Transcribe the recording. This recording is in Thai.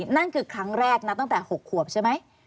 นั่นคือครั้งแรกนะตั้งแต่๖ขวบใช่ไหม